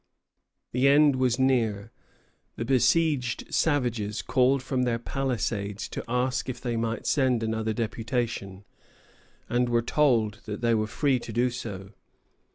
The end was near. The besieged savages called from their palisades to ask if they might send another deputation, and were told that they were free to do so.